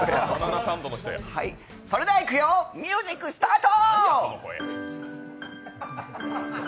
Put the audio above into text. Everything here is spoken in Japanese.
それではいくよミュージックスタート！